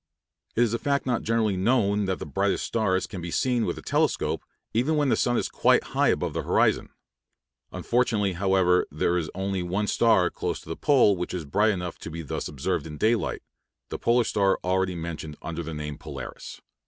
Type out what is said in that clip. It is a fact not generally known that the brighter stars can be seen with a telescope, even when the sun is quite high above the horizon. Unfortunately, however, there is only one star close to the pole which is bright enough to be thus observed in daylight the polar star already mentioned under the name Polaris.